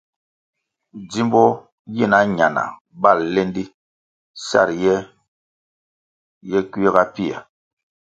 Djimbo gina ñana bal lendi sa riye ye kuiga pia.